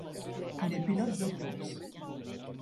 Il est pilote de course.